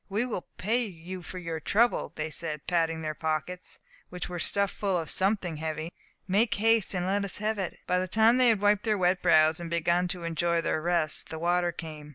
"We will pay you for your trouble," said they, patting their pockets, which were stuffed full of something heavy; "make haste, and let us have it." By the time they had wiped their wet brows, and begun to enjoy their rest, the water came.